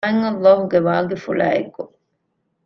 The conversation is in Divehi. މާތް ﷲ ގެ ވާގިފުޅާއި އެކު